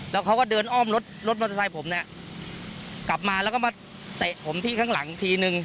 แล้วเขาก็เดินอ้อมรถรถมอเตอร์ไซค์ผมเนี่ยกลับมาแล้วก็มาเตะผมที่ข้างหลังอีกทีนึง